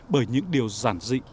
bởi những điều giản dị